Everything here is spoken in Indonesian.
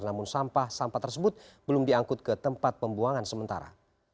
namun sampah sampah tersebut belum diangkut ke tempat pembuangan sementara